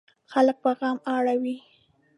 خلک په غم اړوي.